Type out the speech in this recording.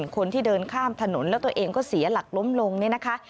คนที่เดินข้ามถนนแล้วตัวเองก็เสียหลักล้มลงเนี่ยนะคะ